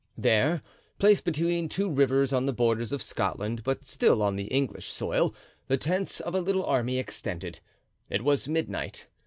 There, placed between two rivers on the borders of Scotland, but still on English soil, the tents of a little army extended. It was midnight.